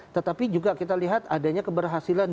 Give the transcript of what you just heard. tetapi juga kita lihat adanya keberhasilan